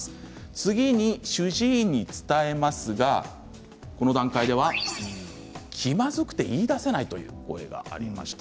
次に主治医に伝えますがこの段階では気まずくて言いだせないという声がありました。